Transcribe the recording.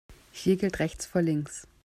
Hier gilt rechts vor links.